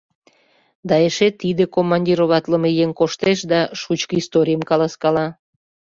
Да эше тиде «командироватлыме» еҥ коштеш да шучко историйым каласкала...